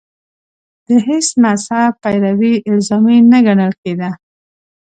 د هېڅ مذهب پیروي الزامي نه ګڼل کېده